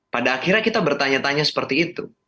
pada akhirnya kita bertanya tanya seperti itu